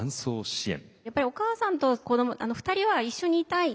やっぱりお母さんと子ども二人は一緒にいたい。